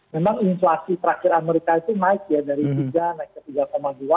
memang inflasi terakhir amerika itu naik ya dari tiga naik ke tiga dua